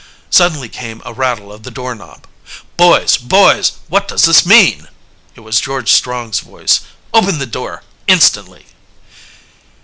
Suddenly came a rattle of the door knob. "Boys! Boys! What does this mean?" It was George Strong's voice. "Open the door instantly."